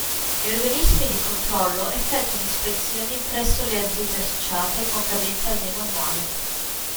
Gli organismi di controllo effettuano ispezioni presso le aziende associate con cadenza almeno annuale.